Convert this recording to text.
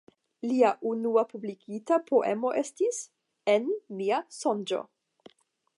Lia unua publikigita poemo estis "En mia sonĝo".